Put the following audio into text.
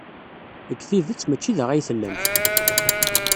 Deg tidet, maci da ay tellamt.